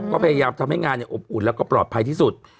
ก็พยายามทำให้งานอบอุ่นแล้วก็ปลอดภัยที่สุด